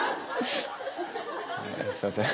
すいません。